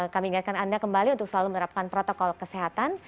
kami ingatkan anda kembali untuk selalu menerapkan protokol kesehatan